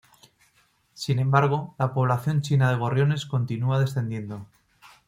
Sin embargo, la población china de gorriones continúa descendiendo.